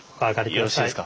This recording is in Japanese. よろしいですか？